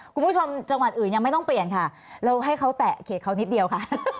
จังหวัดอื่นยังไม่ต้องเปลี่ยนค่ะเราให้เขาแตะเขตเขานิดเดียวค่ะ